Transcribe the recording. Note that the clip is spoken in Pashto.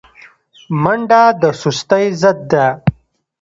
منډه د سستۍ ضد ده